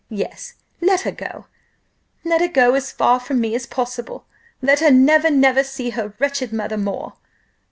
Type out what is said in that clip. Yes, let her go; let her go as far from me as possible; let her never, never see her wretched mother more!